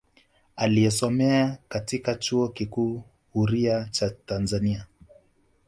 Aliyosomea katika chuo kikuu huria cha Tanzania